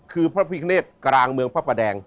คือพระพิคเนตกลางเมืองพระประแดง